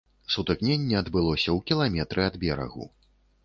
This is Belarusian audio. Сутыкненне адбылося ў кіламетры ад берагу.